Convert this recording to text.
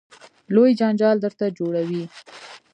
لوی جنجال درته جوړوي.